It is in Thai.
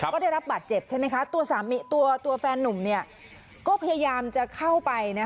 ก็ได้รับบาดเจ็บใช่ไหมคะตัวแฟนนุ่มก็พยายามจะเข้าไป